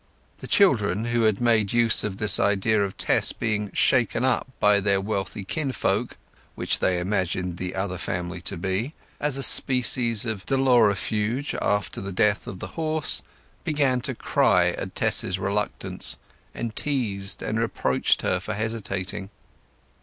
The children, who had made use of this idea of Tess being taken up by their wealthy kinsfolk (which they imagined the other family to be) as a species of dolorifuge after the death of the horse, began to cry at Tess's reluctance, and teased and reproached her for hesitating.